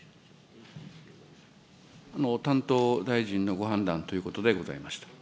担当大臣のご判断ということでございました。